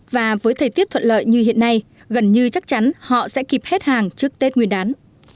và với thời tiết thuận lợi như hiện nay gần như chắc chắn họ sẽ kịp hết hàng trước tết nguyên đán